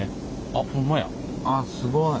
あっすごい。